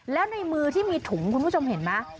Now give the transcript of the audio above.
แล้วในมือที่มีถุงคุณผู้ชมเห็นไหม